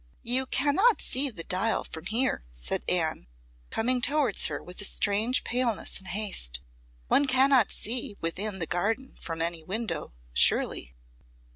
"You cannot see the dial from here," said Anne, coming towards her with a strange paleness and haste. "One cannot see within the garden from any window, surely."